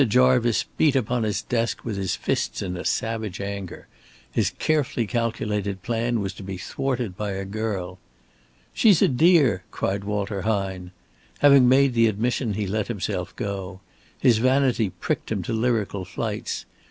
Jarvice beat upon his desk with his fists in a savage anger. His carefully calculated plan was to be thwarted by a girl. "She's a dear," cried Walter Hine. Having made the admission, he let himself go. His vanity pricked him to lyrical flights.